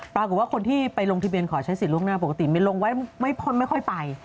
ปรากฏว่าคนที่ไปลงทะเบียนขอใช้สิทธิล่วงหน้าปกติไม่ลงไว้ไม่พ้นไม่ค่อยไป